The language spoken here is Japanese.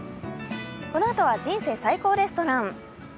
このあとは「人生最高レストラン」。